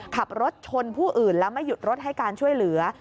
ขับรถชนผู้อื่นแล้วไม่หยุดรถให้การช่วยเหลือ